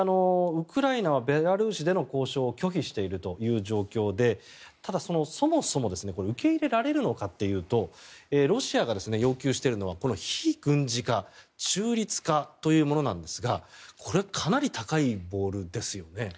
ウクライナはベラルーシでの交渉を拒否している状況でただ、そもそも受け入れられるのかというとロシアが要求しているのが非軍事化、中立化というものですがこれかなり高いゴールですよね。